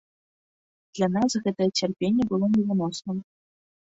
Для нас гэтае цярпенне было невыносным.